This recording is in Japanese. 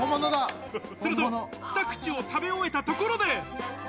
すると、ふた口を食べ終えたところで。